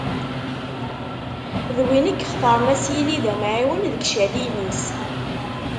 D win i yextar ad s-yili d amεiwen deg icaliyen-is.